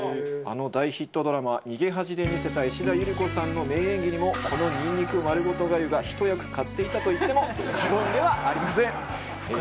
あの大ヒットドラマ『逃げ恥』で見せた石田ゆり子さんの名演技にもこのにんにくまるごと粥がひと役買っていたと言っても過言ではありません！